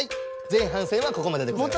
前半戦はここまででございます。